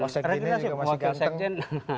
sekjen ini juga masih ganteng